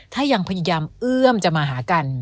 ถ้ายังพยายามเอื้อมจะมาหากัน